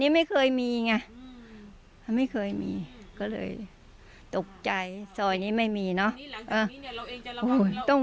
ไม่เคยมีก็เลยตกใจสอยนี้ไม่มีเนอะ